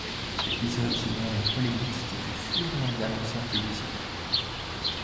L'épisode génère une polémique qui fait fuir les annonceurs publicitaires.